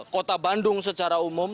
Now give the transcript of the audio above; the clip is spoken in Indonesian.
kota bandung secara umum